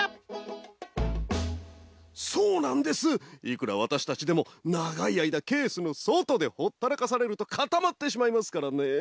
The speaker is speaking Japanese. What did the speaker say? いくらわたしたちでもながいあいだケースのそとでほったらかされるとかたまってしまいますからね。